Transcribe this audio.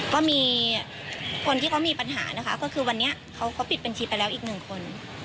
ก็มีคนที่เขามีปัญหานะคะก็คือวันนี้เขาปิดบัญชีไปแล้วอีกหนึ่งคน